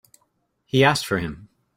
He asked for him.